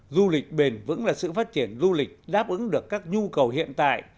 du lịch bền vững là sự phát triển du lịch đáp ứng được các nhu cầu hiện tại